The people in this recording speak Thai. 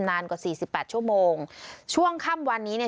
นานกว่า๔๘ชั่วโมงช่วงค่ำวันนี้เนี่ย